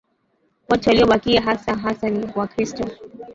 Watu waliobakia hasa hasa ni Wakristo